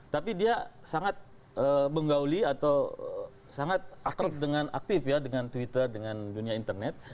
tapi dia sangat menggauli atau sangat akrab dengan aktif ya dengan twitter dengan dunia internet